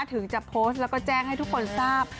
ถึงจะโพสต์แล้วก็แจ้งให้ทุกคนทราบ